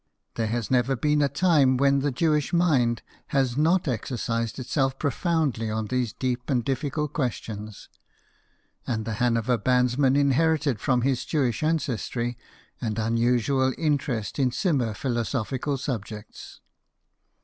There has never been a time when the Jewish mind has not exercised itself profoundly on these deep and difficult questions ; and the Hanover bandsman inherited from his Jewish ancestry an unusual interest in similar philosophical subjects.